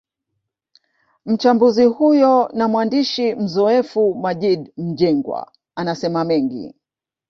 Mchambuzi huyo na mwandishi mzoefu Maggid Mjengwa anasema mengi